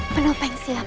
penopeng siapa nimas